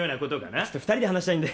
ちょっと２人で話したいんで。